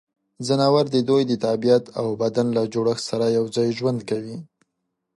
ځناور د دوی د طبعیت او بدن له جوړښت سره یوځای ژوند کوي.